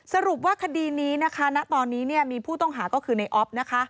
สรุปว่าคดีนี้นะคะณตอนนี้มีผู้ต้องหาก็คือในออฟนะคะ